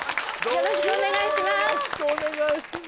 よろしくお願いします